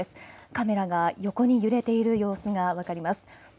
カメラが横に揺れている様子が分かります。